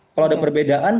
kalau ada perbedaan